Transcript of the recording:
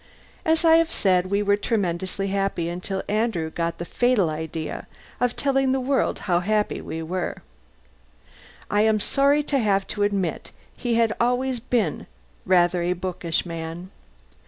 As I have said, we were tremendously happy until Andrew got the fatal idea of telling the world how happy we were. I am sorry to have to admit he had always been rather a bookish man.